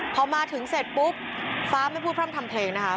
พอมาถึงเสร็จปุ๊บฟ้าไม่พูดพร่ำทำเพลงนะคะ